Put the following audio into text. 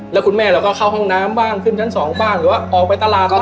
แล้วคุณแม่เราก็เข้าห้องน้ำบ้างขึ้นชั้น๒บ้างหรือว่าออกไปตลาด